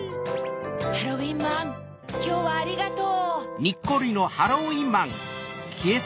ハロウィンマンきょうはありがとう。